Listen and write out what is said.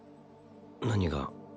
何が？